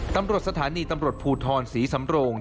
ตำรวจสถานีตำรวจภูทรศรีสำโรง